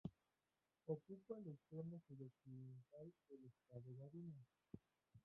Ocupa el extremo sudoccidental del estado Barinas.